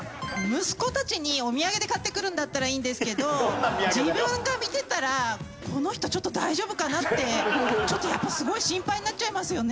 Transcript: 息子たちにお土産で買ってくるんだったらいいんですけど自分が見てたら「この人ちょっと大丈夫かな？」ってちょっとやっぱすごい心配になっちゃいますよね。